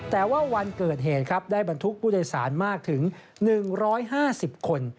แต่ว่าวันเกิดเหตุครับได้บรรทุกผู้โดยสารมากถึง๑๕๐คน